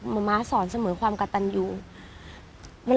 มะมะสอนเสมอความกะตันยูง